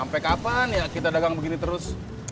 sampai kapan ya kita dagang begini terus